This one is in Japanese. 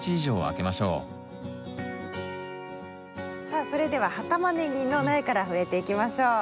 さあそれでは葉タマネギの苗から植えていきましょう。